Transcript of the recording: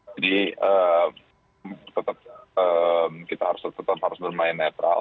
jadi kita tetap harus bermain netral